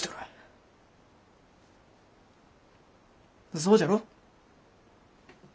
そうじゃろ？